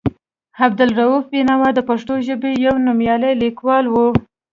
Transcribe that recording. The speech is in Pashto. عبدالرؤف بېنوا د پښتو ژبې یو نومیالی لیکوال و.